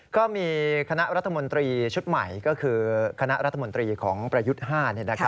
ก็มีคณะรัฐมนตรีชุดใหม่ก็คือคณะรัฐมนตรีของประยุทธ์๕